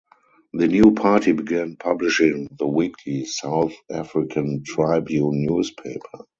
The new party began publishing the weekly "South African Tribune" newspaper.